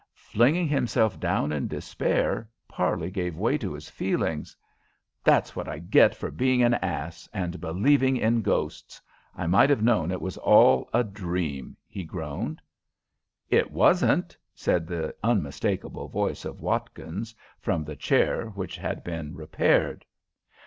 Flinging himself down in despair, Parley gave way to his feelings. "That's what I get for being an ass and believing in ghosts. I might have known it was all a dream," he groaned. "It wasn't," said the unmistakable voice of Watkins, from the chair, which had been repaired.